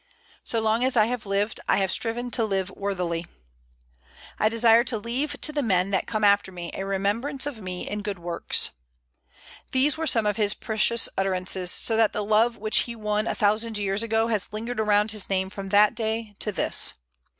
"So long as I have lived I have striven to live worthily." "I desire to leave to the men that come after me a remembrance of me in good works." These were some of his precious utterances, so that the love which he won a thousand years ago has lingered around his name from that day to this.